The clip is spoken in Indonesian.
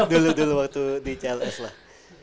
dulu dulu waktu di cls lah